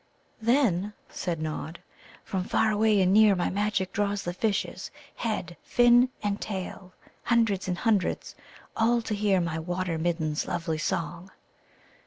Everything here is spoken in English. "Then," said Nod, "from far and near my Magic draws the fishes, head, fin, and tail, hundreds and hundreds, all to hear my Water middens' lovely song."